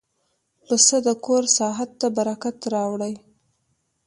پسه د کور ساحت ته برکت راوړي.